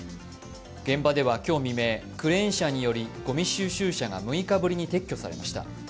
現場では今日未明、クレーン車によりごみ収集車が６日ぶりに撤去されました。